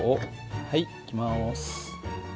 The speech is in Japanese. はいいきます。